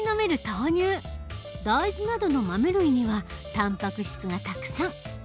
大豆などの豆類にはたんぱく質がたくさん。